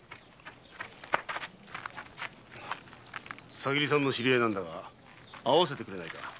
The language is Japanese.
挟霧さんの知り合いだが会わせてくれないか？